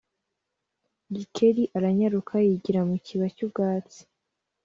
Gikeli aranyaruka yigira mu kiba cy’ubwatsi